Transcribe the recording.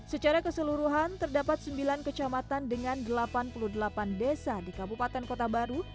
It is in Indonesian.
secara keseluruhan terdapat sembilan kecamatan dengan delapan puluh delapan desa di kabupaten kota baru